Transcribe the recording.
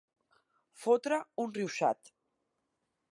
Fotre un ruixat.